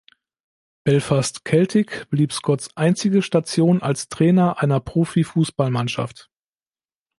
Belfast Celtic blieb Scotts einzige Station als Trainer einer Profifußballmannschaft.